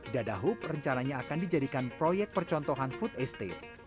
dadahhub rencananya akan dijadikan proyek percontohan food estate